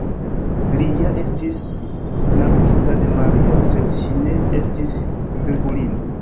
Li ja estis naskita de Maria, sed ŝi ne estis virgulino.